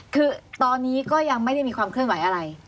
คือตอนนี้ก็ยังไม่ได้มีความเคลื่อนไหวอะไร